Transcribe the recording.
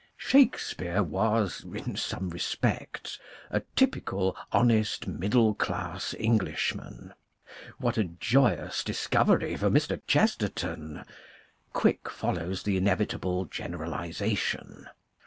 Shakespeare was in some respects a typical honest middle class Englishman. What a joyous discovery for Mr. Chesterton ! Quick follows the inevitable generaliza tion.